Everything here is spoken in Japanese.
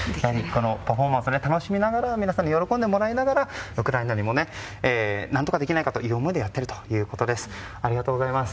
このパフォーマンスを皆さんに楽しんでもらいながらウクライナにも何とかできないかという思いでやっているということです。